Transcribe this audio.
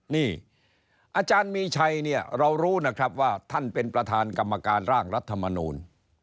นี่อาจารย์มีชัยเนี่ยเรารู้นะครับว่าท่านเป็นประธานกรรมการร่างรัฐมนูล